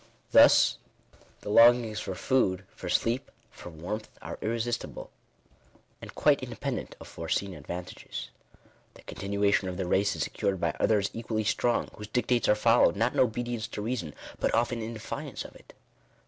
Thus, the longings for food, for sleep, for warmth, are irresistible; and quite independent of foreseen advantages. The continuance of the race is" secured by others equally strong, whose dictates^ are Meowed, not in obedience to reason, but often in . defiance, of it.